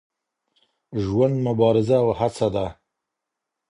ژوند مبارزه او هڅه ده.